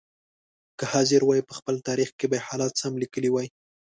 که حاضر وای په خپل تاریخ کې به یې حالات سم لیکلي وای.